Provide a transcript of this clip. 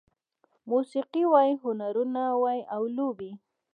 موسيقي وای، هنرونه وای او لوبې